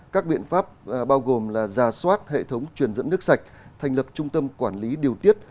các biện pháp bao gồm là giả soát hệ thống truyền dẫn nước sạch thành lập trung tâm quản lý điều tiết